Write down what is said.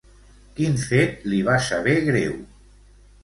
Quin fet li va saber greu?